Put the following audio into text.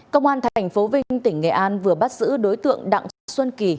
công an thành phố vinh tỉnh nghệ an vừa bắt giữ đối tượng đặng xuân kỳ